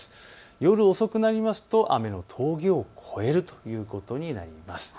夜遅くなりますと雨の峠を越えるということになります。